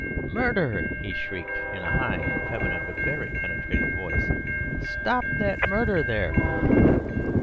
"Murder!" he shrieked, in a high and feminine but very penetrating voice. "Stop that murderer there!"